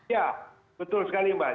ya betul sekali mbak